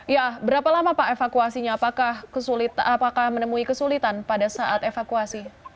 ya berapa lama pak evakuasinya apakah menemui kesulitan pada saat evakuasi